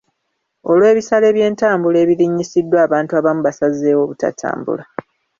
Olw'ebisale by'entambula ebirinnyisiddwa, abantu abamu basazeewo obutatambula.